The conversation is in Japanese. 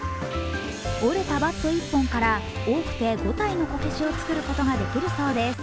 折れたバット１本から多くて５体のこけしを作ることができるそうです。